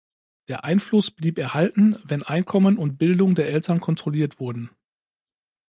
Der Einfluss blieb erhalten, wenn Einkommen und Bildung der Eltern kontrolliert wurden.